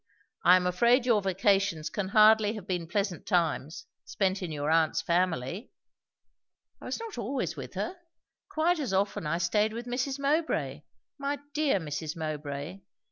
I am afraid your vacations can hardly have been pleasant times, spent in your aunt's family?" "I was not always with her. Quite as often I staid with Mrs. Mowbray my dear Mrs. Mowbray!